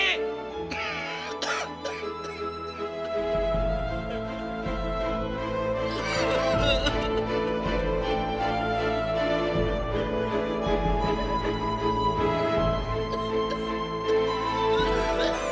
di rumah sakit